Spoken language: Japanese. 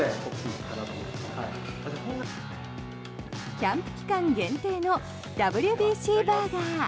キャンプ期間限定のＷＢＣバーガー。